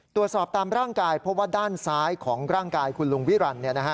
ตามร่างกายเพราะว่าด้านซ้ายของร่างกายคุณลุงวิรันดิ